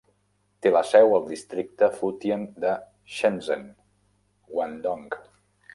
Té la seu al districte Futian de Shenzhen, Guangdong.